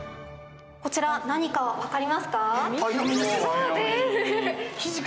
こちら何か分かりますか。